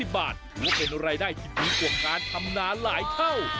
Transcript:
บาทถือว่าเป็นรายได้ที่ดีกว่าการทำนาหลายเท่า